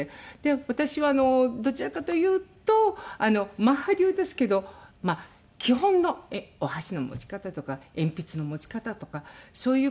私はどちらかというとマッハ流ですけど基本のお箸の持ち方とか鉛筆の持ち方とかそういうこう。